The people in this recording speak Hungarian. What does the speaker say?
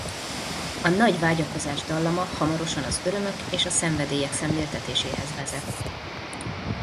A nagy vágyakozás dallama hamarosan az örömök és a szenvedélyek szemléltetéséhez vezet.